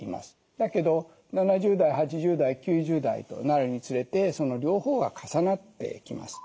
だけど７０代８０代９０代となるにつれてその両方が重なってきます。